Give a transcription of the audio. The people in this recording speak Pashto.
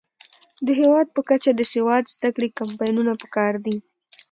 د هیواد په کچه د سواد زده کړې کمپاینونه پکار دي.